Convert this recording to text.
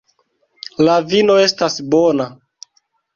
La vino estas bona.